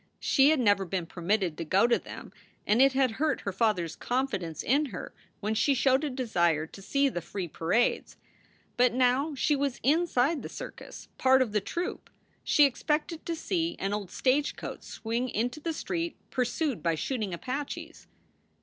She had never been permitted to go to them, and it had hurt her father s confidence in her when she showed a desire to see SOULS FOR SALE 107 the free parades. But now she was inside the circus, part of the troupe. She expected to see an old stagecoach swing into the street, pursued by shooting Apaches.